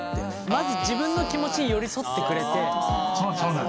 まず自分の気持ちに寄り添ってくれて。